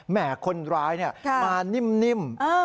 แห่คนร้ายมานิ่ม